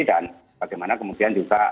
dan bagaimana kemudian juga